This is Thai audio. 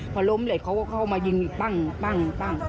มาล้มเลยเขาก็เข้ามายิงบ้าง